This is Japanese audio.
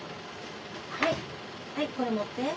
はいこれ持って。